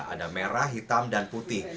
ada merah hitam dan putih